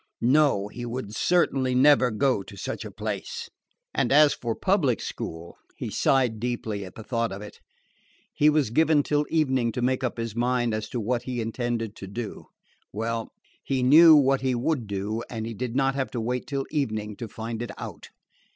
No, he would certainly never go to such a place. And as for public school He sighed deeply at the thought of it. He was given till evening to make up his mind as to what he intended to do. Well, he knew what he would do, and he did not have to wait till evening to find it out.